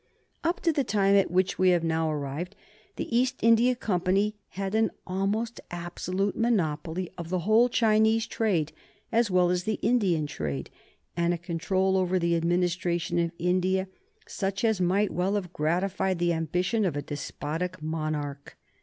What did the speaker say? Up to the time at which we have now arrived the East India Company had an almost absolute monopoly of the whole Chinese trade, as well as the Indian trade, and a control over the administration of India such as might well have gratified the ambition of a despotic monarch.